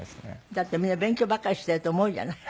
だってみんな勉強ばっかりしてると思うじゃない。